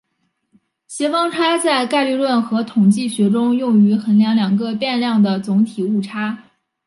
协方差在概率论和统计学中用于衡量两个变量的总体误差。